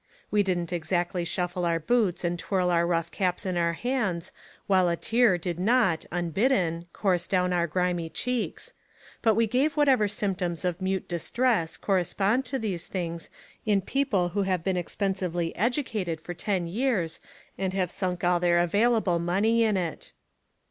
We didn't exactly shuffle our boots and twirl our rough caps in our hands, while a tear did not, unbidden, course down our grimy cheeks. But we gave whatever symptoms of mute distress correspond to these things in peo ple who have been expensively educated for ten years and have sunk all their available money in it.